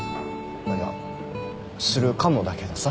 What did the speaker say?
あっいやするかもだけどさ。